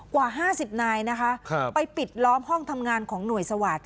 กว่า๕๐นายนะคะไปปิดล้อมห้องทำงานของหน่วยสวาสตร์